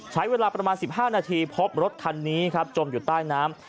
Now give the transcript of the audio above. ใช้เวลาประมาณ๑๕นาทีพบรถคันนี้ครับจมอยู่ใต้น้ำ